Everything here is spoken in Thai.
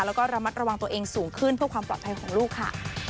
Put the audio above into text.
แล้วก็ระมัดระวังตัวเองสูงขึ้นเพื่อความปลอดภัยของลูกค่ะ